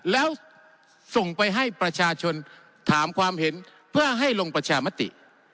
แล้วส่งไปให้ประชาชนถามความเห็นเพื่อให้ลงประชามติ